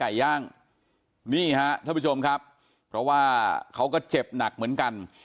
ย่างนี่ฮะท่านผู้ชมครับเพราะว่าเขาก็เจ็บหนักเหมือนกัน